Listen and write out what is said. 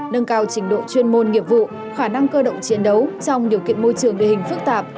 nâng cao trình độ chuyên môn nghiệp vụ khả năng cơ động chiến đấu trong điều kiện môi trường địa hình phức tạp